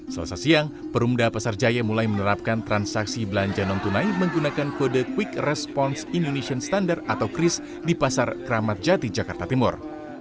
selesai siang perumda pasar jaya mulai menerapkan transaksi belanja non tunai menggunakan kode quick response indonesian standard atau kris di pasar kramat jati jakarta timur